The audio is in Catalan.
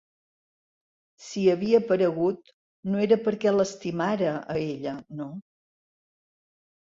Si havia aparegut, no era perquè l'estimara, a ella, no.